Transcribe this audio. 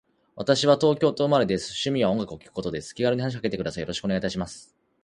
私は東京都生まれです。趣味は音楽を聴くことです。気軽に話しかけてください。よろしくお願いいたします。